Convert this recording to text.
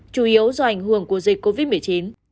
chủ yếu do ảnh hưởng của dịch covid một mươi chín